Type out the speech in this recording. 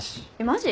マジ？